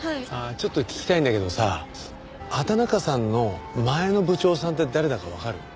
ちょっと聞きたいんだけどさ畑中さんの前の部長さんって誰だかわかる？